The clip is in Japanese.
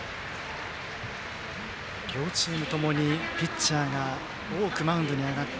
両チームともにピッチャーが多くマウンドに上がった。